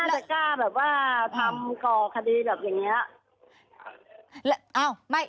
ไม่น่าจะกล้าทำกรคดีแบบนี้